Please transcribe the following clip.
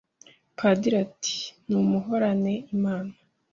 Padiri ati numuhorane Imana